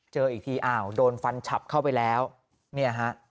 เจออีกทีอ้าวโดนฟันฉับเข้าไปแล้วเนี่ยฮะ